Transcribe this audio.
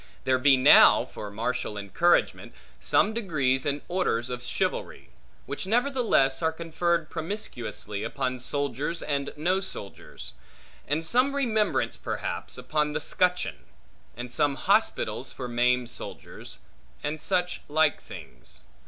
There be now, for martial encouragement, some degrees and orders of chivalry; which nevertheless are conferred promiscuously, upon soldiers and no soldiers; and some remembrance perhaps, upon the scutcheon; and some hospitals for maimed soldiers; and such like things.